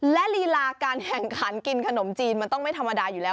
และลีลาการแข่งขันกินขนมจีนมันต้องไม่ธรรมดาอยู่แล้ว